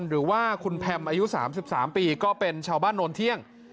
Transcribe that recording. หรือว่าคุณแพมอายุ๓๓ปีก็เป็นชาวบ้านโนนเที่ยง